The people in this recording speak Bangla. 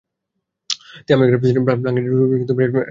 তিনি আমেরিকার প্রেসিডেন্ট ফ্রাঙ্কলিন ডি. রুজভেল্টকে একটি চিঠি লেখেন।